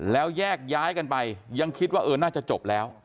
แล้วแยกย้ายกันไปยังคิดว่าเออน่าจะจบแล้ว